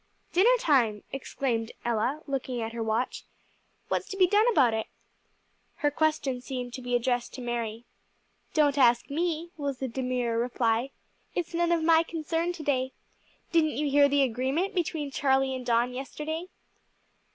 "Dinner time!" exclaimed Ella, looking at her watch. "What's to be done about it?" Her question seemed to be addressed to Mary. "Don't ask me," was the demure reply. "It's none of my concern to day. Didn't you hear the agreement between Charlie and Don yesterday?"